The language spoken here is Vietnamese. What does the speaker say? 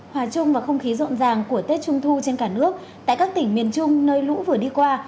hòa chung vào không khí rộn ràng của tết trung thu trên cả nước tại các tỉnh miền trung nơi lũ vừa đi qua